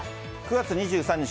９月２３日